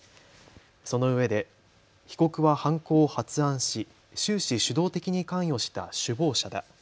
そのうえで被告は犯行を発案し終始、主導的に関与した首謀者だ。